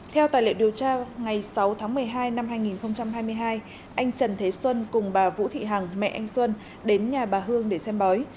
theo tài liệu điều tra ngày sáu tháng một mươi hai năm hai nghìn hai mươi hai anh trần thế xuân cùng bà vũ thị hằng mẹ anh xuân đến nhà bà hương để xem bói